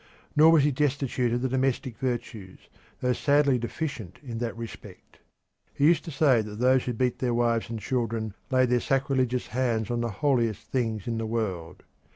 Nor was he destitute of the domestic virtues, though sadly deficient in that respect. He used to say that those who beat their wives and children laid their sacrilegious hands on the holiest things in the world.